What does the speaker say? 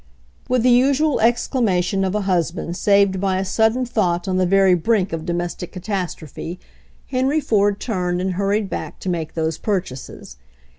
With the usual exclamation of a husband saved by a sudden thought on the very brink of domes 56 HENRY FORD'S OWN STORY tic catastrophe, Henry Ford turned and hurried back to make those purchases.